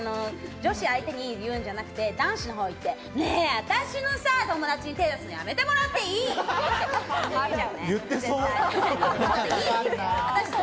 女子相手に言うんじゃなくて、私の友達に手出すのやめてもらっていい？って言う。